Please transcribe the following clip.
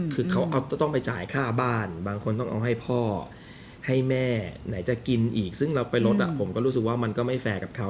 คือเขาต้องไปจ่ายค่าบ้านบางคนต้องเอาให้พ่อให้แม่ไหนจะกินอีกซึ่งเราไปลดผมก็รู้สึกว่ามันก็ไม่แฟร์กับเขา